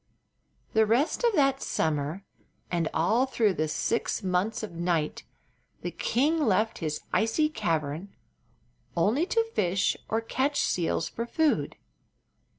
The rest of that summer and all through the six months of night the king left his icy cavern only to fish or catch seals for food.